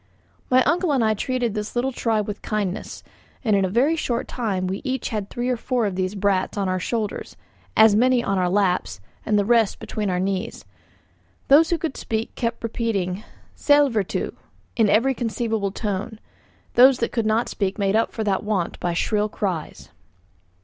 My uncle and I treated this little tribe with kindness; and in a very short time we each had three or four of these brats on our shoulders, as many on our laps, and the rest between our knees. Those who could speak kept repeating "Sællvertu," in every conceivable tone; those that could not speak made up for that want by shrill cries.